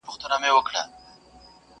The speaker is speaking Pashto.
چي د توپان په زړه کي څو سېلۍ د زور پاته دي!.